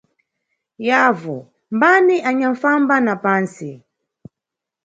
Yavu, mbani anyanʼfamba na pantsi?